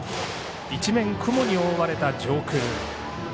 一面、雲に覆われた上空。